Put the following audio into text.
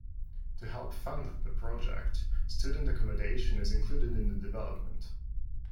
To help fund the project, student accommodation is included in the development.